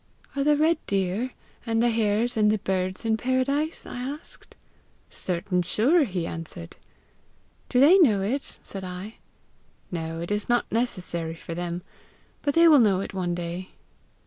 'Are the red deer, and the hares, and the birds in paradise?' I asked. 'Certain sure!' he answered. 'Do they know it?' said I. 'No, it is not necessary for them; but they will know it one day.'